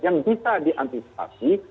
yang bisa diantisipasi